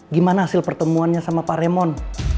gimana hasil pertemuannya sama pak remon